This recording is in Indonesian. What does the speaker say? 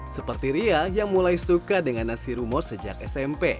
seperti ria yang mulai suka dengan nasi rumo sejak smp